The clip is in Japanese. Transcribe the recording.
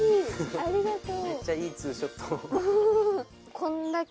ありがとう。